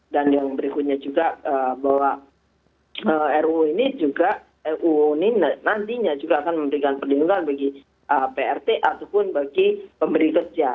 dan yang berikutnya juga bahwa ruu ini juga ruu ini nantinya juga akan memberikan perlindungan bagi prt ataupun bagi pemberi kerja